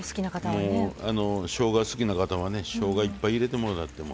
もうしょうが好きな方はねしょうがいっぱい入れてもらっても。